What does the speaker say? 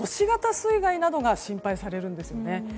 水害などが心配されるんですね。